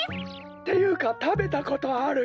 っていうかたべたことあるよ。